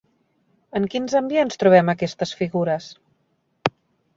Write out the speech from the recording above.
En quins ambients trobem aquestes figures?